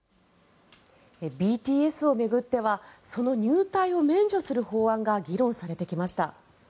ＢＴＳを巡ってはその入隊を免除する法案が議論されてきました。